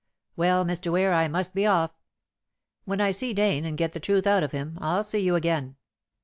Well, Mr. Ware, I must be off. When I see Dane and get the truth out of him, I'll see you again.